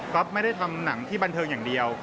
ก็ไม่ได้ทำหนังที่บันเทิงอย่างเดียว